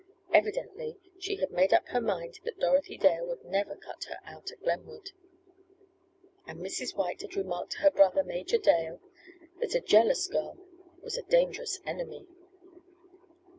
Evidently she had made up her mind that Dorothy Dale would never "cut her out" at Glenwood. And Mrs. White had remarked to her brother, Major Dale, that a jealous girl was a dangerous enemy!